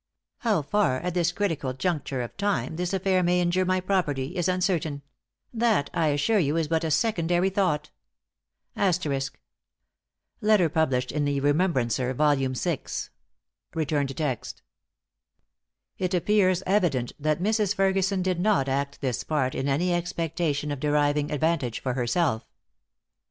How far, at this critical juncture of time, this affair may injure my property, is uncertain; that, I assure you, is but a secondary thought." Letter published in the Remembrancer, vol. vi. It appears evident that Mrs. Ferguson did not act this part in any expectation of deriving advantage for herself.